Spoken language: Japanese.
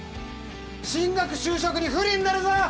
進学就職に不利になるぞ！